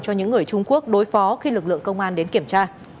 cho những người trung quốc đối phó khi lực lượng công an đến kiểm tra